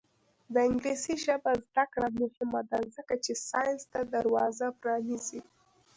د انګلیسي ژبې زده کړه مهمه ده ځکه چې ساینس ته دروازه پرانیزي.